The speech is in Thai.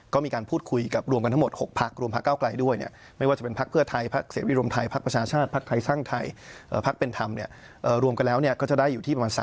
ก็คือเกิน๒๕๐เนี่ย